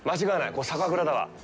ここ、酒蔵だわ。